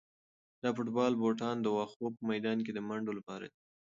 دا د فوټبال بوټان د واښو په میدان کې د منډو لپاره دي.